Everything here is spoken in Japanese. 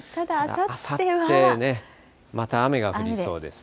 あさってね、また雨が降りそうです。